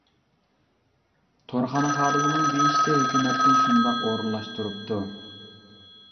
تورخانا خادىمىنىڭ دېيىشىچە ھۆكۈمەتتىن شۇنداق ئورۇنلاشتۇرۇپتۇ.